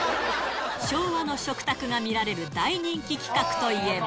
昭和の食卓が見られる、大人気企画といえば。